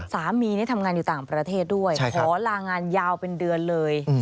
สามีนี่ทำงานอยู่ต่างประเทศด้วยขอลางานยาวเป็นเดือนเลย